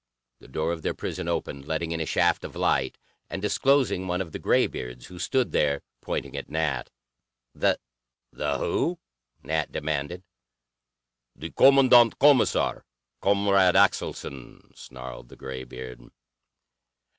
The door of their prison had opened, letting in a shaft of light, and disclosing one of the graybeards, who stood there, pointing at Nat. "The who?" Nat demanded. "The Kommandant Kommissar, Comrade Axelson," snarled the graybeard.